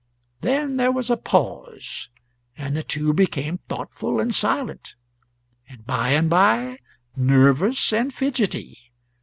Then there was a pause, and the two became thoughtful and silent. And by and by nervous and fidgety.